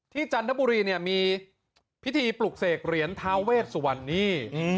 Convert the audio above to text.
จันทบุรีเนี่ยมีพิธีปลุกเสกเหรียญทาเวชสุวรรณนี่